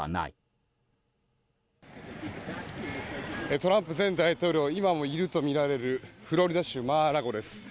トランプ前大統領が今もいるとみられるフロリダ州マー・ア・ラゴです。